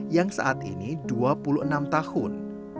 yang saat ini dua puluh enam tahun